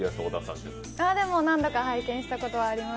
何度か拝見したことはあります。